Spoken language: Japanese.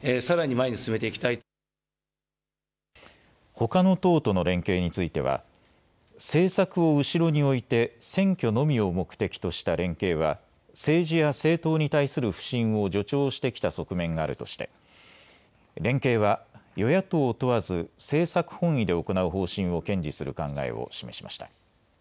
ほかの党との連携については政策を後ろに置いて選挙のみを目的とした連携は政治や政党に対する不信を助長してきた側面があるとして連携は与野党問わず政策本位で行う方針を堅持する考えを示しました。